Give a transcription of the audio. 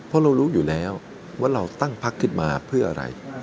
เพราะเรารู้อยู่แล้วว่าเราตั้งพักขึ้นมาเพื่ออะไร